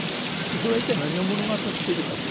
それは一体何を物語っているか。